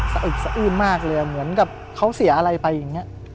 อึกสะอื้นมากเลยเหมือนกับเขาเสียอะไรไปอย่างนี้